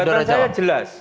jabatan saya jelas